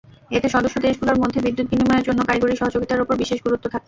এতে সদস্যদেশগুলোর মধ্যে বিদ্যুৎ বিনিময়ের জন্য কারিগরি সহযোগিতার ওপর বিশেষ গুরুত্ব থাকছে।